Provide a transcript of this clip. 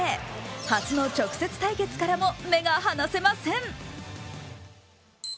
初の直接対決からも目が離せません。